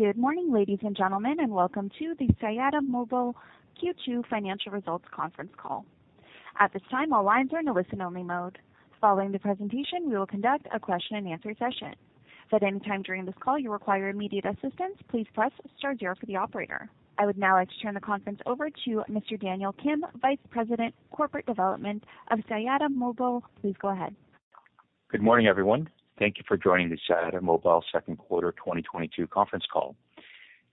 Good morning, ladies and gentlemen, and welcome to the Siyata Mobile Q2 Financial Results Conference Call. At this time, all lines are in a listen-only mode. Following the presentation, we will conduct a question-and-answer session. If at any time during this call you require immediate assistance, please press star zero for the operator. I would now like to turn the conference over to Mr. Daniel Kim, Vice President, Corporate Development of Siyata Mobile. Please go ahead. Good morning, everyone. Thank you for joining the Siyata Mobile Second Quarter 2022 conference call.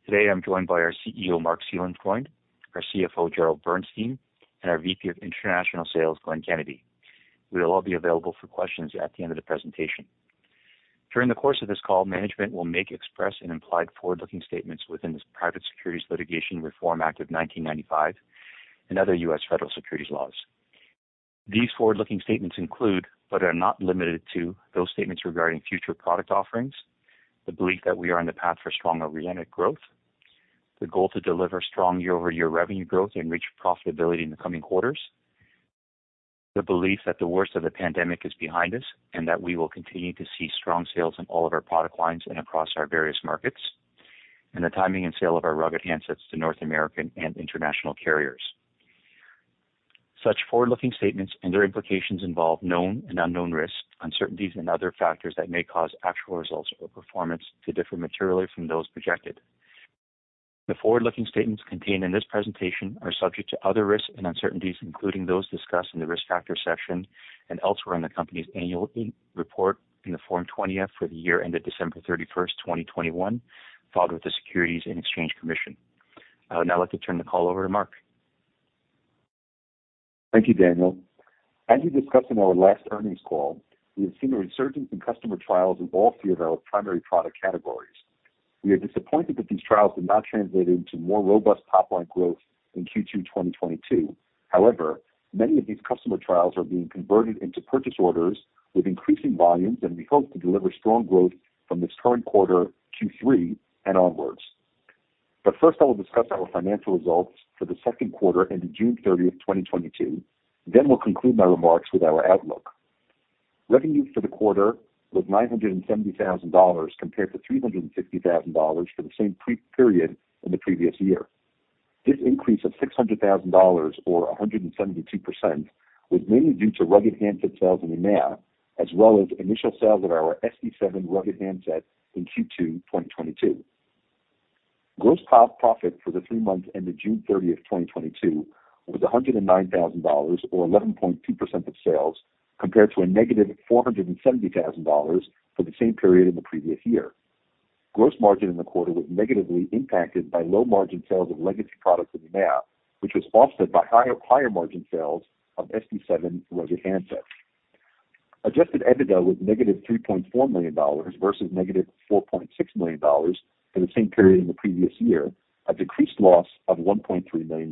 Today, I'm joined by our CEO, Marc Seelenfreund, our CFO, Gerald Bernstein, and our VP of International Sales, Glenn Kennedy. We will all be available for questions at the end of the presentation. During the course of this call, management will make express and implied forward-looking statements within the Private Securities Litigation Reform Act of 1995 and other U.S. federal securities laws. These forward-looking statements include, but are not limited to, those statements regarding future product offerings, the belief that we are on the path for strong organic growth, the goal to deliver strong year-over-year revenue growth and reach profitability in the coming quarters, the belief that the worst of the pandemic is behind us, and that we will continue to see strong sales in all of our product lines and across our various markets, and the timing and sale of our rugged handsets to North American and international carriers. Such forward-looking statements and their implications involve known and unknown risks, uncertainties, and other factors that may cause actual results or performance to differ materially from those projected. The forward-looking statements contained in this presentation are subject to other risks and uncertainties, including those discussed in the Risk Factor section and elsewhere in the company's annual report in the Form 20-F for the year ended December 31st, 2021, filed with the Securities and Exchange Commission. I would now like to turn the call over to Marc. Thank you, Daniel. As we discussed in our last earnings call, we have seen a resurgence in customer trials in all three of our primary product categories. We are disappointed that these trials did not translate into more robust top-line growth in Q2 2022. However, many of these customer trials are being converted into purchase orders with increasing volumes, and we hope to deliver strong growth from this current quarter, Q3, and onwards. First, I will discuss our financial results for the second quarter ended June 30th, 2022. We'll conclude my remarks with our outlook. Revenues for the quarter was $970 thousand compared to $360 thousand for the same prior period in the previous year. This increase of $600,000 or 172% was mainly due to rugged handset sales in the NAM, as well as initial sales of our SD7 rugged handset in Q2 2022. Gross profit for the three months ended June 30th, 2022, was $109,000 or 11.2% of sales, compared to a negative $470,000 for the same period in the previous year. Gross margin in the quarter was negatively impacted by low-margin sales of legacy products in the NAM, which was offset by higher-margin sales of SD7 rugged handsets. Adjusted EBITDA was negative $3.4 million versus negative $4.6 million for the same period in the previous year, a decreased loss of $1.3 million.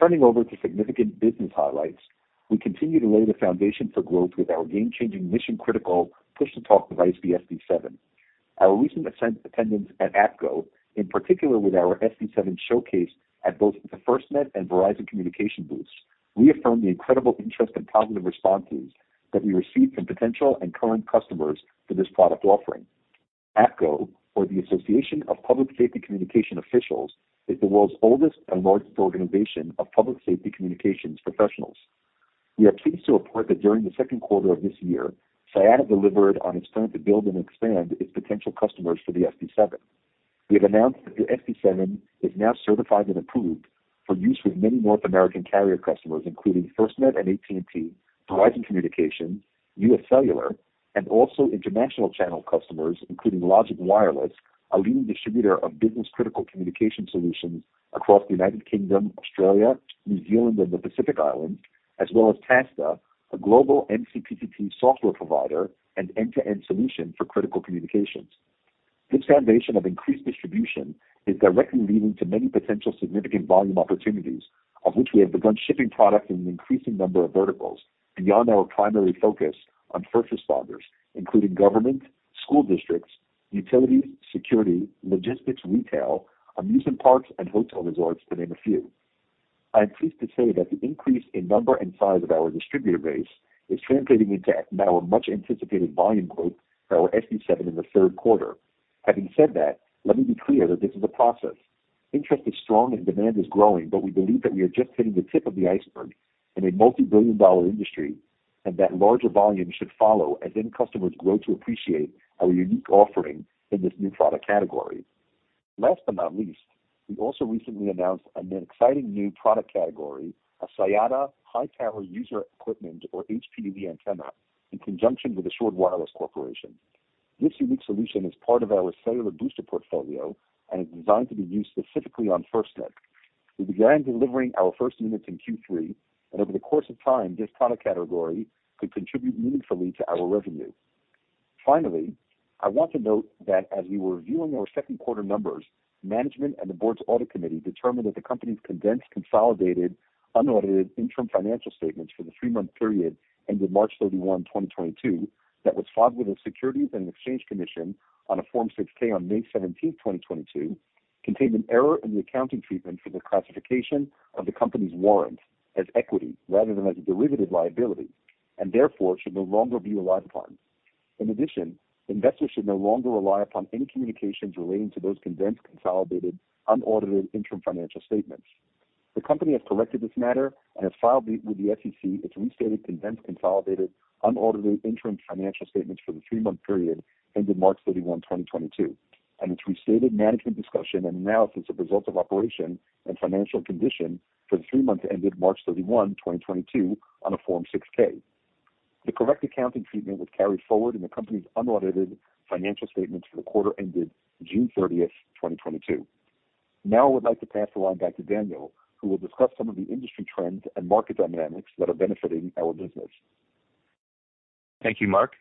Turning over to significant business highlights, we continue to lay the foundation for growth with our game-changing mission-critical push-to-talk device, the SD7. Our recent attendance at APCO, in particular with our SD7 showcase at both the FirstNet and Verizon Communications booths, reaffirmed the incredible interest and positive responses that we received from potential and current customers for this product offering. APCO, or the Association of Public-Safety Communications Officials, is the world's oldest and largest organization of public safety communications professionals. We are pleased to report that during the second quarter of this year, Siyata delivered on its plan to build and expand its potential customers for the SD7. We have announced that the SD7 is now certified and approved for use with many North American carrier customers, including FirstNet and AT&T, Verizon Communications, U.S. Cellular, and also international channel customers, including Logic Wireless, a leading distributor of business-critical communication solutions across the United Kingdom, Australia, New Zealand, and the Pacific Islands, as well as TASSTA, a global MCPTT software provider and end-to-end solution for critical communications. This foundation of increased distribution is directly leading to many potential significant volume opportunities of which we have begun shipping product in an increasing number of verticals beyond our primary focus on first responders, including government, school districts, utilities, security, logistics, retail, amusement parks, and hotel resorts, to name a few. I am pleased to say that the increase in number and size of our distributor base is translating into now a much-anticipated volume growth for our SD7 in the third quarter. Having said that, let me be clear that this is a process. Interest is strong, and demand is growing, but we believe that we are just hitting the tip of the iceberg in a multibillion-dollar industry, and that larger volumes should follow as end customers grow to appreciate our unique offering in this new product category. Last but not least, we also recently announced an exciting new product category, a Siyata high-power user equipment or HPUE antenna, in conjunction with Assured Wireless Corporation. This unique solution is part of our cellular booster portfolio and is designed to be used specifically on FirstNet. We began delivering our first units in Q3, and over the course of time, this product category could contribute meaningfully to our revenue. Finally, I want to note that as we were reviewing our second quarter numbers, management and the board's audit committee determined that the company's condensed, consolidated, unaudited interim financial statements for the three-month period ended March 31, 2022, that was filed with the Securities and Exchange Commission on a Form 6-K on May 17, 2022, contained an error in the accounting treatment for the classification of the company's warrants as equity rather than as a derivative liability. Therefore should no longer rely upon. In addition, investors should no longer rely upon any communications relating to those condensed, consolidated, unaudited interim financial statements. The company has corrected this matter and has filed with the SEC its restated, condensed, consolidated, unaudited interim financial statements for the three-month period ended March 31, 2022, and its restated management discussion and analysis of results of operation and financial condition for the three months ended March 31, 2022 on a Form 6-K. The correct accounting treatment was carried forward in the company's unaudited financial statements for the quarter ended June 30, 2022. Now I would like to pass the line back to Daniel, who will discuss some of the industry trends and market dynamics that are benefiting our business. Thank you, Marc.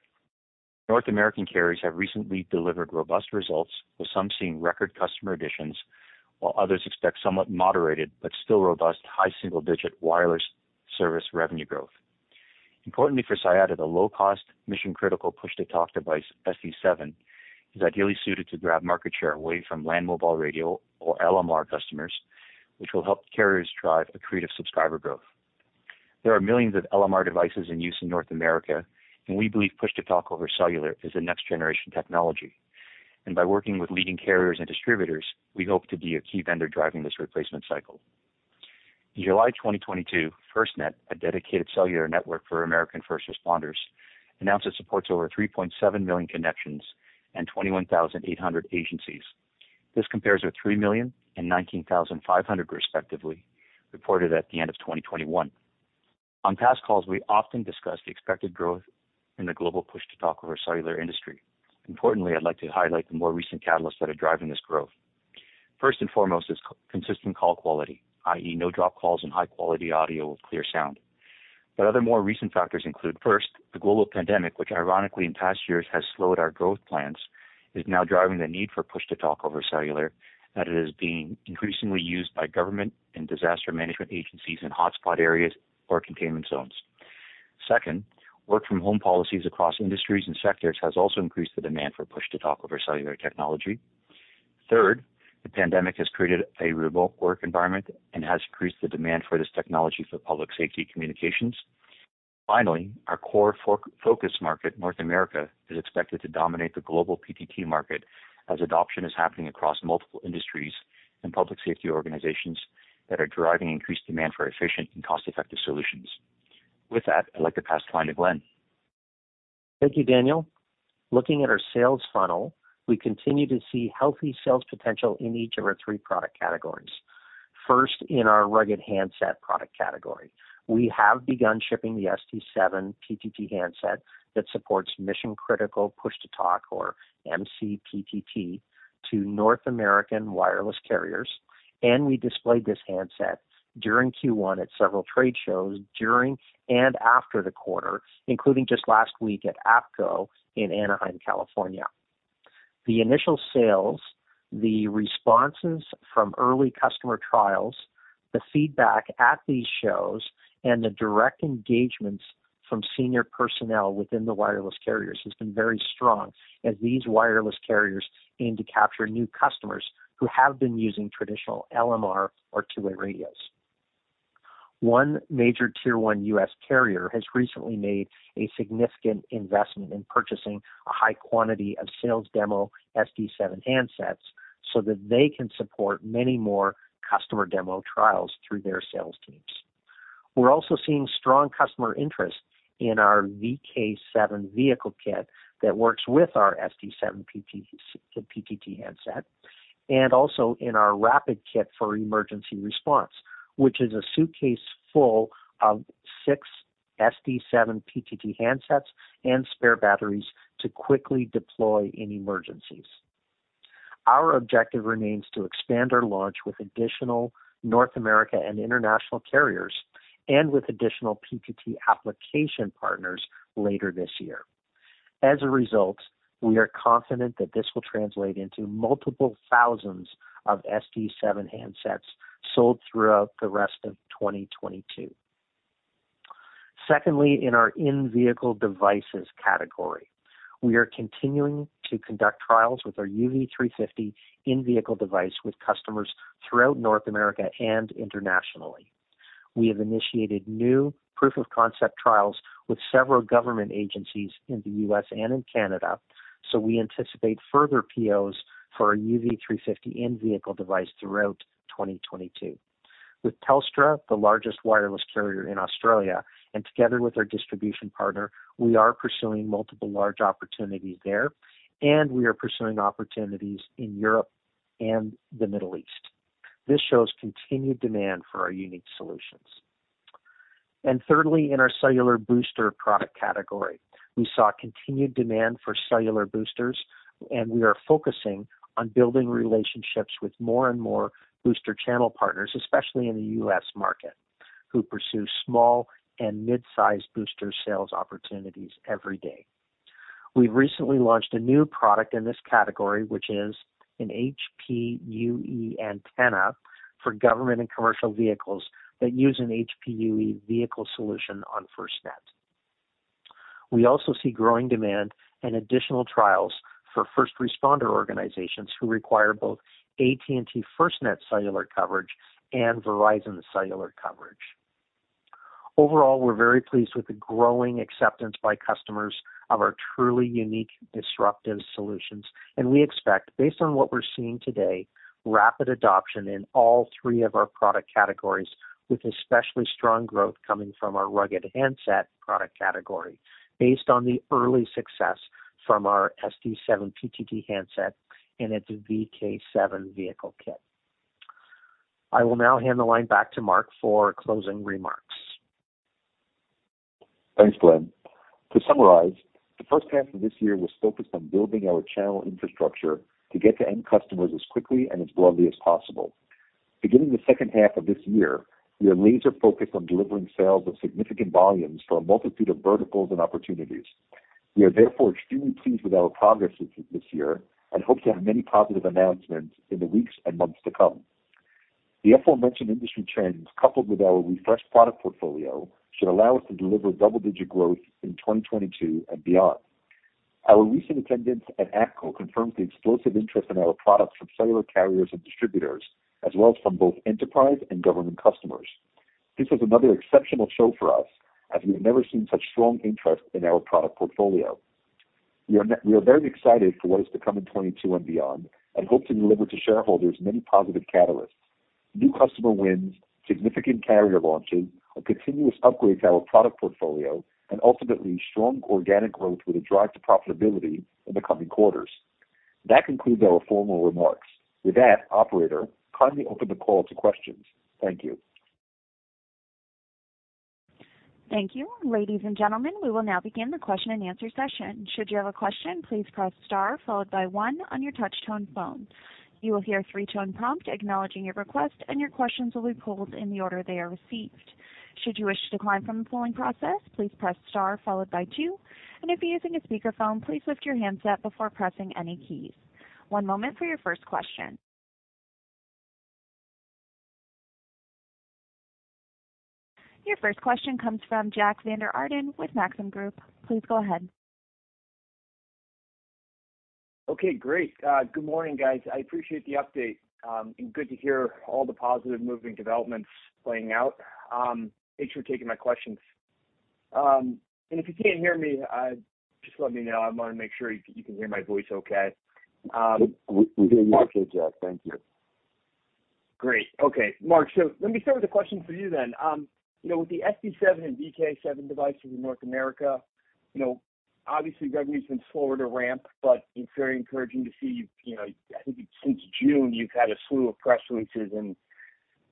North American carriers have recently delivered robust results, with some seeing record customer additions, while others expect somewhat moderated but still robust high single-digit wireless service revenue growth. Importantly for Siyata, the low-cost mission-critical push-to-talk device SD7 is ideally suited to grab market share away from Land Mobile Radio or LMR customers, which will help carriers drive accretive subscriber growth. There are millions of LMR devices in use in North America, and we believe push-to-talk over cellular is the next-generation technology. By working with leading carriers and distributors, we hope to be a key vendor driving this replacement cycle. In July 2022, FirstNet, a dedicated cellular network for American first responders, announced it supports over 3.7 million connections and 21,800 agencies. This compares with 3 million and 19,500 respectively, reported at the end of 2021. On past calls, we often discuss the expected growth in the global push-to-talk over cellular industry. Importantly, I'd like to highlight the more recent catalysts that are driving this growth. First and foremost is consistent call quality, i.e., no dropped calls and high-quality audio with clear sound. Other more recent factors include, first, the global pandemic, which ironically in past years has slowed our growth plans, is now driving the need for push-to-talk over cellular as it is being increasingly used by government and disaster management agencies in hotspot areas or containment zones. Second, work-from-home policies across industries and sectors has also increased the demand for push-to-talk over cellular technology. Third, the pandemic has created a remote work environment and has increased the demand for this technology for public safety communications. Finally, our core focus market, North America, is expected to dominate the global PTT market as adoption is happening across multiple industries and public safety organizations that are driving increased demand for efficient and cost-effective solutions. With that, I'd like to pass the line to Glenn. Thank you, Daniel. Looking at our sales funnel, we continue to see healthy sales potential in each of our three product categories. First, in our rugged handset product category, we have begun shipping the SD7 PTT handset that supports mission-critical push-to-talk, or MCPTT, to North American wireless carriers, and we displayed this handset during Q1 at several trade shows during and after the quarter, including just last week at APCO in Anaheim, California. The initial sales, the responses from early customer trials, the feedback at these shows, and the direct engagements from senior personnel within the wireless carriers has been very strong as these wireless carriers aim to capture new customers who have been using traditional LMR or two-way radios. One major tier-one U.S. carrier has recently made a significant investment in purchasing a high quantity of sales demo SD7 handsets so that they can support many more customer demo trials through their sales teams. We're also seeing strong customer interest in our VK7 vehicle kit that works with our SD7 PTT handset, and also in our rapid kit for emergency response, which is a suitcase full of six SD7 PTT handsets and spare batteries to quickly deploy in emergencies. Our objective remains to expand our launch with additional North America and international carriers and with additional PTT application partners later this year. As a result, we are confident that this will translate into multiple thousands of SD7 handsets sold throughout the rest of 2022. Secondly, in our in-vehicle devices category, we are continuing to conduct trials with our UV350 in-vehicle device with customers throughout North America and internationally. We have initiated new proof-of-concept trials with several government agencies in the U.S. and in Canada, so we anticipate further POs for our UV350 in-vehicle device throughout 2022. With Telstra, the largest wireless carrier in Australia, and together with our distribution partner, we are pursuing multiple large opportunities there, and we are pursuing opportunities in Europe and the Middle East. This shows continued demand for our unique solutions. Thirdly, in our cellular booster product category, we saw continued demand for cellular boosters, and we are focusing on building relationships with more and more booster channel partners, especially in the U.S. market, who pursue small and mid-sized booster sales opportunities every day. We've recently launched a new product in this category, which is an HPUE antenna for government and commercial vehicles that use an HPUE vehicle solution on FirstNet. We also see growing demand and additional trials for first responder organizations who require both AT&T FirstNet cellular coverage and Verizon cellular coverage. Overall, we're very pleased with the growing acceptance by customers of our truly unique disruptive solutions. We expect, based on what we're seeing today, rapid adoption in all three of our product categories, with especially strong growth coming from our rugged handset product category based on the early success from our SD7 PTT handset and its VK7 vehicle kit. I will now hand the line back to Marc for closing remarks. Thanks, Glenn. To summarize, the first half of this year was focused on building our channel infrastructure to get to end customers as quickly and as broadly as possible. Beginning the second half of this year, we are laser focused on delivering sales of significant volumes for a multitude of verticals and opportunities. We are therefore extremely pleased with our progress this year and hope to have many positive announcements in the weeks and months to come. The aforementioned industry trends, coupled with our refreshed product portfolio, should allow us to deliver double-digit growth in 2022 and beyond. Our recent attendance at APCO confirms the explosive interest in our products from cellular carriers and distributors, as well as from both enterprise and government customers. This was another exceptional show for us as we've never seen such strong interest in our product portfolio. We are very excited for what is to come in 2022 and beyond and hope to deliver to shareholders many positive catalysts, new customer wins, significant carrier launches, and continuous upgrades to our product portfolio, and ultimately strong organic growth with a drive to profitability in the coming quarters. That concludes our formal remarks. With that, operator, kindly open the call to questions. Thank you. Thank you. Ladies and gentlemen, we will now begin the question-and-answer session. Should you have a question, please press star followed by one on your touchtone phone. You will hear a three-tone prompt acknowledging your request, and your questions will be pulled in the order they are received. Should you wish to decline from the polling process, please press star followed by two. If you're using a speakerphone, please lift your handset before pressing any keys. One moment for your first question. Your first question comes from Jack Vander Aarde with Maxim Group. Please go ahead. Okay, great. Good morning, guys. I appreciate the update, and good to hear all the positive moving developments playing out. Thanks for taking my questions. If you can't hear me, just let me know. I want to make sure you can hear my voice okay. We hear you okay, Jack. Thank you. Great. Okay, Marc, so let me start with a question for you then. You know, with the SD7 and VK7 devices in North America, you know, obviously revenue's been slower to ramp, but it's very encouraging to see you've, you know, I think since June, you've had a slew of press releases and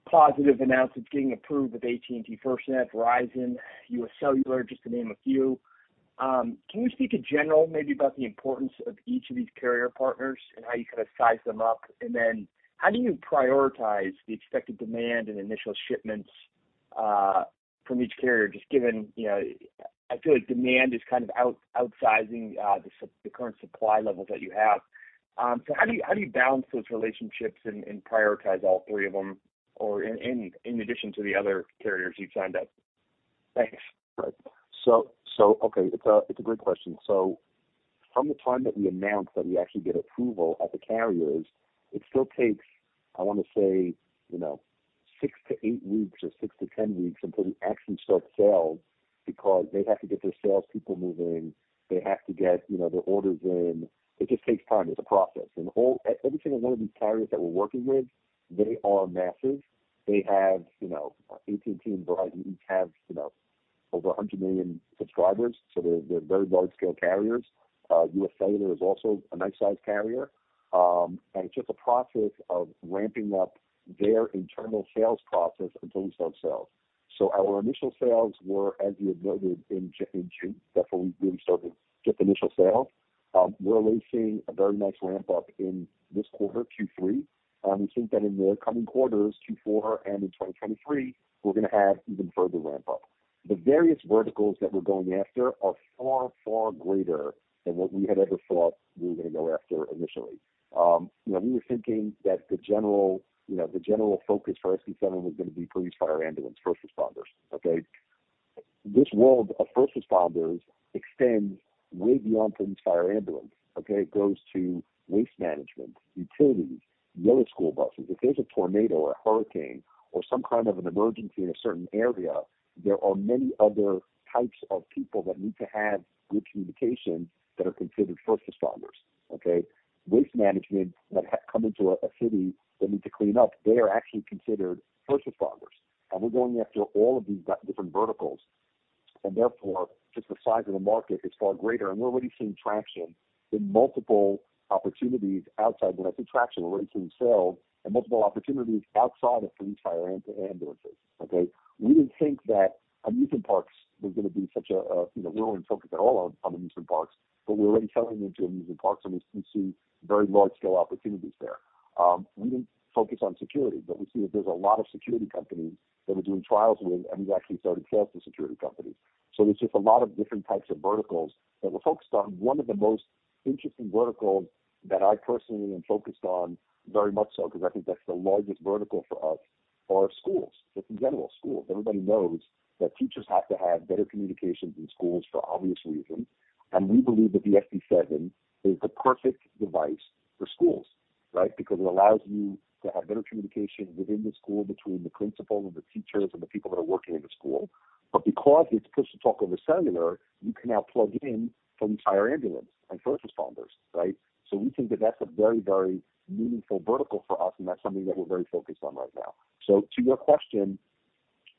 positive announcements getting approved with AT&T FirstNet, Verizon, U.S. Cellular, just to name a few. Can you speak in general maybe about the importance of each of these carrier partners and how you kind of size them up? Then how do you prioritize the expected demand and initial shipments from each carrier, just given, you know, I feel like demand is kind of outsizing the current supply levels that you have. How do you balance those relationships and prioritize all three of them or in addition to the other carriers you've signed up? Thanks. Right. Okay, it's a great question. From the time that we announce that we actually get approval at the carriers, it still takes, I wanna say, you know, 6-8 weeks or 6-10 weeks until we actually start sales because they have to get their salespeople moving. They have to get, you know, their orders in. It just takes time. It's a process. Every single one of these carriers that we're working with, they are massive. They have, you know, AT&T and Verizon each have, you know, over 100 million subscribers, so they're very large-scale carriers. U.S. Cellular is also a nice size carrier. It's just a process of ramping up their internal sales process until we start sales. Our initial sales were, as you had noted, in June. That's where we really started just initial sales. We're releasing a very nice ramp up in this quarter, Q3. We think that in the coming quarters, Q4 and in 2023, we're gonna have even further ramp up. The various verticals that we're going after are far, far greater than what we had ever thought we were gonna go after initially. You know, we were thinking that the general, you know, the general focus for SD7 was gonna be police, fire, ambulance, first responders, okay? This world of first responders extends way beyond police, fire, ambulance, okay? It goes to waste management, utilities, yellow school buses. If there's a tornado or a hurricane or some kind of an emergency in a certain area, there are many other types of people that need to have good communication that are considered first responders, okay? Waste management that come into a city that need to clean up, they are actually considered first responders. We're going after all of these different verticals, and therefore just the size of the market is far greater. We're already seeing traction in multiple opportunities outside. When I say traction, we're already seeing sales and multiple opportunities outside of police, fire, ambulances, okay? We didn't think that amusement parks was gonna be such a you know, we weren't focused at all on amusement parks, but we're already selling into amusement parks, and we see very large-scale opportunities there. We didn't focus on security, but we see that there's a lot of security companies that we're doing trials with, and we've actually started sales to security companies. There's just a lot of different types of verticals that we're focused on. One of the most interesting verticals that I personally am focused on, very much so 'cause I think that's the largest vertical for us. Are schools. Just in general, schools. Everybody knows that teachers have to have better communications in schools for obvious reasons, and we believe that the SD7 is the perfect device for schools, right? Because it allows you to have better communication within the school between the principal and the teachers and the people that are working in the school. But because it's push-to-talk over cellular, you can now plug in the fire ambulance and first responders, right? We think that that's a very, very meaningful vertical for us, and that's something that we're very focused on right now. To your question,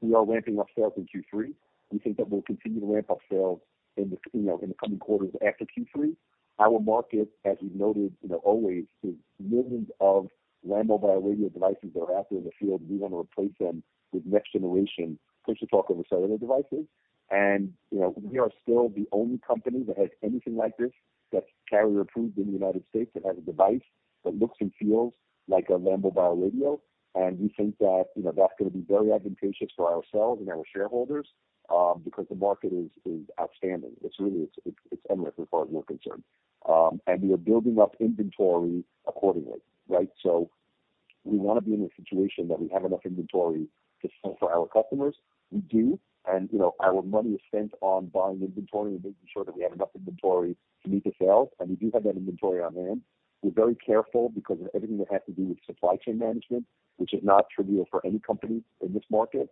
we are ramping up sales in Q3. We think that we'll continue to ramp up sales in the, you know, in the coming quarters after Q3. Our market, as you noted, you know, always, there's millions of Land Mobile Radio devices that are out there in the field, and we wanna replace them with next-generation Push-to-Talk over Cellular devices. You know, we are still the only company that has anything like this that's carrier-approved in the United States, that has a device that looks and feels like a Land Mobile Radio. We think that, you know, that's gonna be very advantageous for ourselves and our shareholders, because the market is outstanding. It's really endless as far as we're concerned. We are building up inventory accordingly, right? We wanna be in a situation that we have enough inventory to sell for our customers. We do. You know, our money is spent on buying inventory and making sure that we have enough inventory to meet the sales, and we do have that inventory on hand. We're very careful because of everything that has to do with supply chain management, which is not trivial for any company in this market,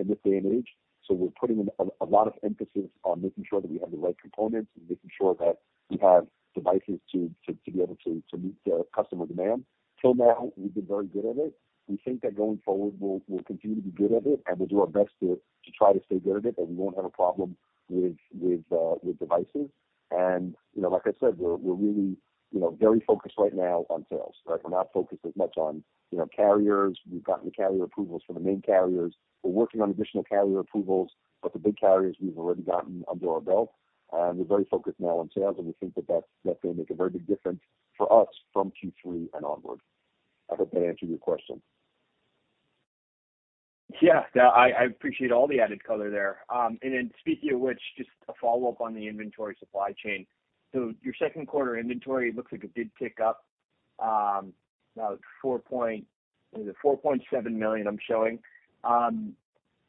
in this day and age. We're putting in a lot of emphasis on making sure that we have the right components and making sure that we have devices to be able to meet the customer demand. Till now, we've been very good at it. We think that going forward, we'll continue to be good at it, and we'll do our best to try to stay good at it, and we won't have a problem with devices. You know, like I said, we're really, you know, very focused right now on sales, right? We're not focused as much on, you know, carriers. We've gotten the carrier approvals from the main carriers. We're working on additional carrier approvals. The big carriers, we've already gotten under our belt, and we're very focused now on sales, and we think that that's definitely gonna make a very big difference for us from Q3 and onward. I hope that answered your question. Yeah. No, I appreciate all the added color there. Speaking of which, just a follow-up on the inventory supply chain. Your second quarter inventory, it looks like it did tick up about $4.7 million I'm showing. Can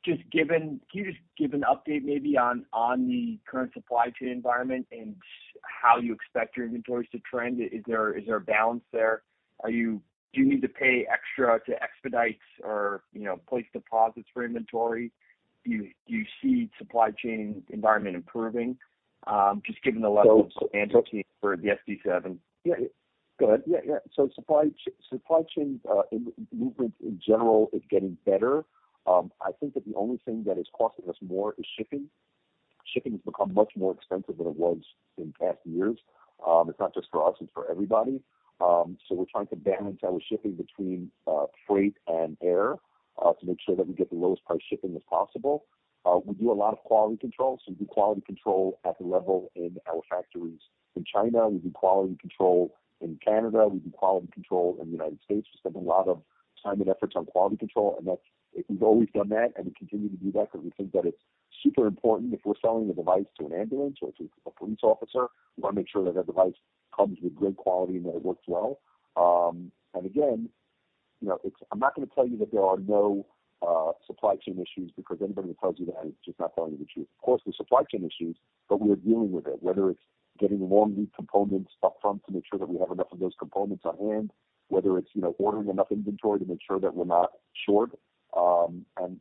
you just give an update maybe on the current supply chain environment and how you expect your inventories to trend? Is there a balance there? Do you need to pay extra to expedite or, you know, place deposits for inventory? Do you see supply chain environment improving just given the lessons. So, so- warranty for the SD7? Supply chain in general is getting better. I think that the only thing that is costing us more is shipping. Shipping has become much more expensive than it was in past years. It's not just for us, it's for everybody. We're trying to balance our shipping between freight and air to make sure that we get the lowest price shipping as possible. We do a lot of quality control, so we do quality control at the level in our factories in China, we do quality control in Canada, we do quality control in the United States. We spend a lot of time and efforts on quality control, and that's. We've always done that, and we continue to do that because we think that it's super important if we're selling a device to an ambulance or to a police officer. We wanna make sure that that device comes with great quality and that it works well. Again, you know, it's. I'm not gonna tell you that there are no supply chain issues because anybody that tells you that is just not telling you the truth. Of course, there's supply chain issues, but we are dealing with it, whether it's getting long-lead components up front to make sure that we have enough of those components on hand, whether it's, you know, ordering enough inventory to make sure that we're not short.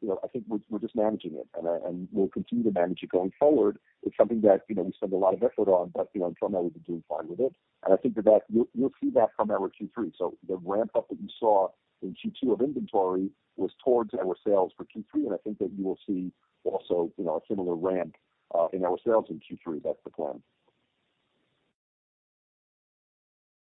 You know, I think we're just managing it, and we'll continue to manage it going forward. It's something that, you know, we spend a lot of effort on, but, you know, until now we've been doing fine with it. I think that you'll see that come out with Q3. The ramp-up that you saw in Q2 of inventory was towards our sales for Q3, and I think that you will see also, you know, a similar ramp in our sales in Q3. That's the plan.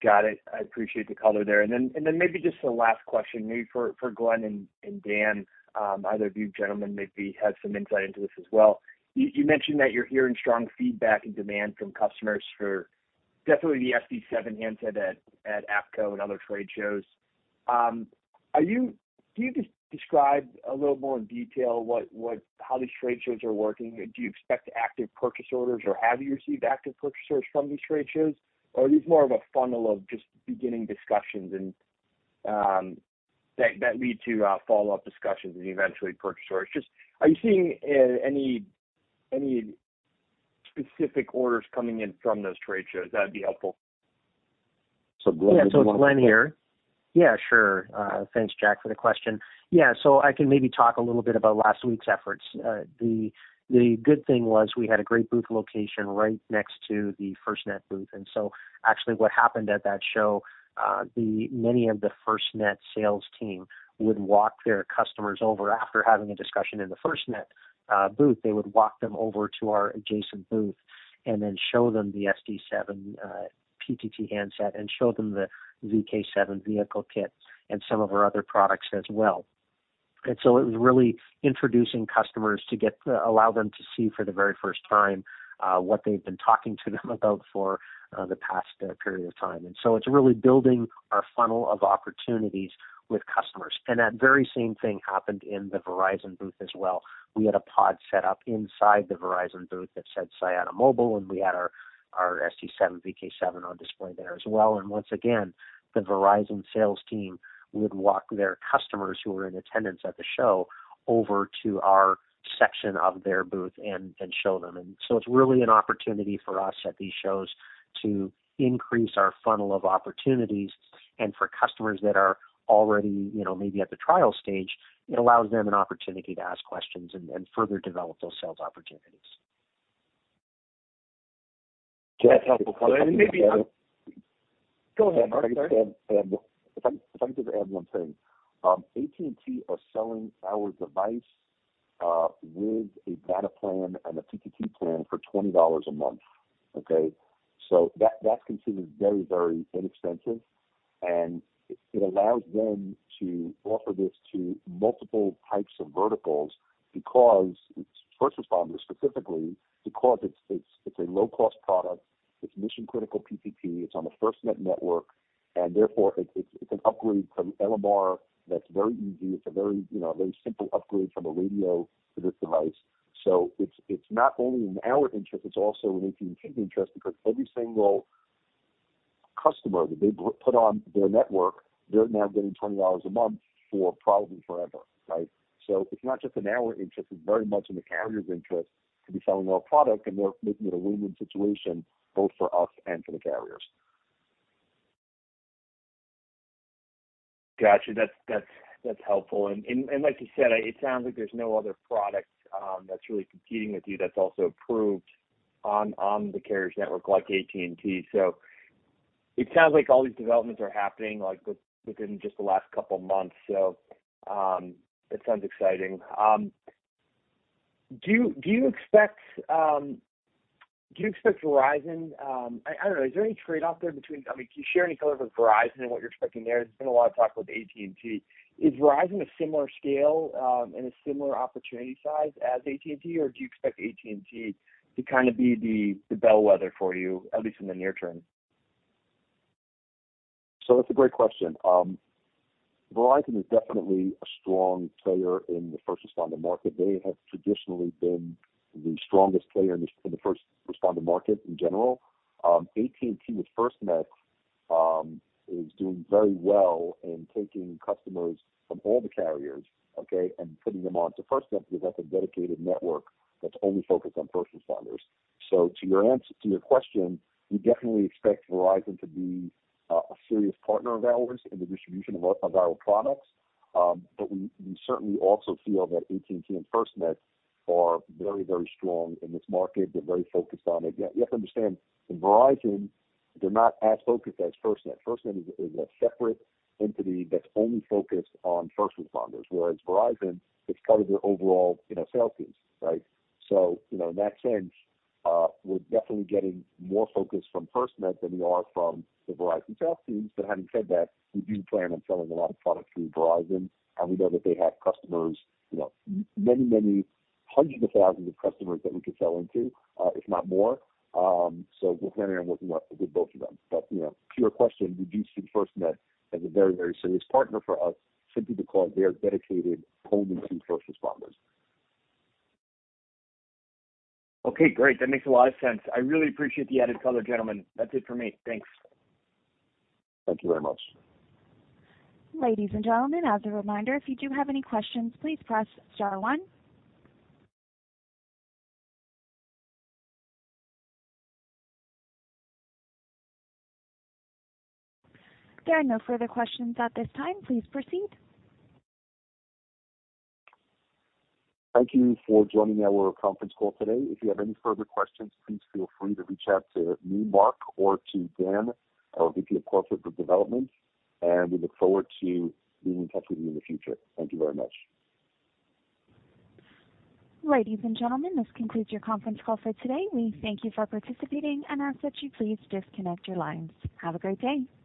Got it. I appreciate the color there. Maybe just a last question for Glenn and Dan. Either of you gentlemen maybe have some insight into this as well. You mentioned that you're hearing strong feedback and demand from customers for definitely the SD7 handset at APCO and other trade shows. Can you just describe a little more in detail how these trade shows are working? Do you expect active purchase orders, or have you received active purchase orders from these trade shows? Or are these more of a funnel of just beginning discussions and that lead to follow-up discussions and eventually purchase orders? Just are you seeing any specific orders coming in from those trade shows? That'd be helpful. Glenn, do you wanna? Yeah. It's Glenn here. Yeah, sure. Thanks, Jack, for the question. Yeah. I can maybe talk a little bit about last week's efforts. The good thing was we had a great booth location right next to the FirstNet booth. Actually what happened at that show, many of the FirstNet sales team would walk their customers over after having a discussion in the FirstNet booth, they would walk them over to our adjacent booth and then show them the SD7 PTT handset and show them the VK7 vehicle kit and some of our other products as well. It was really introducing customers to allow them to see for the very first time what they've been talking to them about for the past period of time. It's really building our funnel of opportunities with customers. That very same thing happened in the Verizon booth as well. We had a pod set up inside the Verizon booth that said, "Siyata Mobile," and we had our SD7, VK7 on display there as well. Once again, the Verizon sales team would walk their customers who were in attendance at the show over to our section of their booth and show them. It's really an opportunity for us at these shows to increase our funnel of opportunities. For customers that are already, you know, maybe at the trial stage, it allows them an opportunity to ask questions and further develop those sales opportunities. That's helpful. Go ahead, Mark. Sorry. If I could just add one thing. AT&T are selling our device with a data plan and a PTT plan for $20 a month. Okay? That, that's considered very, very inexpensive, and it allows them to offer this to multiple types of verticals because it's first responder specifically, because it's a low cost product. It's mission-critical PTT, it's on the FirstNet network, and therefore it's an upgrade from LMR that's very easy. It's a very, you know, very simple upgrade from a radio to this device. It's not only in our interest, it's also in AT&T interest, because every single customer that they put on their network, they're now getting $20 a month for probably forever, right? It's not just in our interest, it's very much in the carrier's interest to be selling our product, and they're making it a win-win situation both for us and for the carriers. Got you. That's helpful. Like you said, it sounds like there's no other product that's really competing with you that's also approved on the carrier's network, like AT&T. It sounds like all these developments are happening, like, within just the last couple of months, so it sounds exciting. Do you expect Verizon? I don't know, is there any trade-off there between, I mean, can you share any color with Verizon and what you're expecting there? There's been a lot of talk about AT&T. Is Verizon a similar scale and a similar opportunity size as AT&T, or do you expect AT&T to kind of be the bellwether for you, at least in the near term? That's a great question. Verizon is definitely a strong player in the first responder market. They have traditionally been the strongest player in the first responder market in general. AT&T with FirstNet is doing very well in taking customers from all the carriers, okay, and putting them onto FirstNet because that's a dedicated network that's only focused on first responders. To your question, we definitely expect Verizon to be a serious partner of ours in the distribution of our products. We certainly also feel that AT&T and FirstNet are very, very strong in this market. They're very focused on it. You have to understand that Verizon, they're not as focused as FirstNet. FirstNet is a separate entity that's only focused on first responders, whereas Verizon, it's part of their overall, you know, sales teams, right? You know, in that sense, we're definitely getting more focus from FirstNet than we are from the Verizon sales teams. Having said that, we do plan on selling a lot of product through Verizon, and we know that they have customers, you know, many hundreds of thousands of customers that we could sell into, if not more. We're planning on working with both of them. You know, to your question, we do see FirstNet as a very serious partner for us simply because they are dedicated only to first responders. Okay, great. That makes a lot of sense. I really appreciate the added color, gentlemen. That's it for me. Thanks. Thank you very much. Ladies and gentlemen, as a reminder, if you do have any questions, please press star one. There are no further questions at this time. Please proceed. Thank you for joining our conference call today. If you have any further questions, please feel free to reach out to me, Marc, or to Daniel, our VP of Corporate Development, and we look forward to being in touch with you in the future. Thank you very much. Ladies and gentlemen, this concludes your conference call for today. We thank you for participating and ask that you please disconnect your lines. Have a great day.